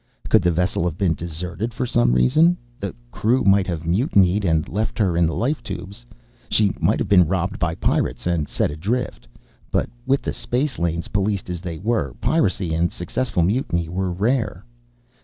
Could the vessel have been deserted for some reason? The crew might have mutinied, and left her in the life tubes. She might have been robbed by pirates, and set adrift. But with the space lanes policed as they were, piracy and successful mutiny were rare.